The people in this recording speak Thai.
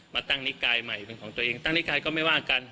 มาตั้งนิกายใหม่เป็นของตัวเองตั้งนิกายก็ไม่ว่ากัน